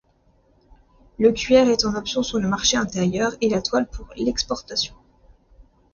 Le cuir est en option sur le marché intérieur et la toile pour l'exportation.